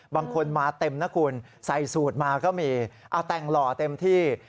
บางคนมาเต็มนะคุณใส่สูตรมาก็มีเอาแต่งหล่อเต็มที่